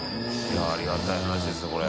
ありがたい話ですよこれ。